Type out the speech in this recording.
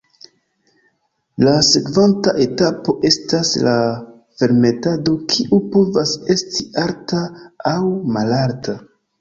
La sekvanta etapo estas la fermentado kiu povas esti alta aŭ malalta.